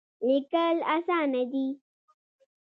لیکل اسانه دی.